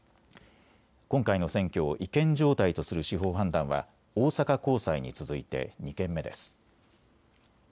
今回の選挙を違憲状態とする司法判断は大阪高裁に続いて２件目です。